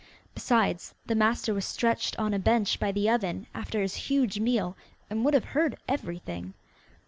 Besides, the master was stretched on a bench by the oven after his huge meal, and would have heard everything.